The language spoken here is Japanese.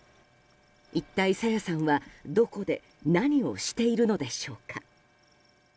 一体、朝芽さんはどこで何をしているのでしょうか。